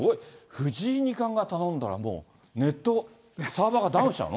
藤井二冠が頼んだらもう、ネット、サーバーがダウンしちゃうの？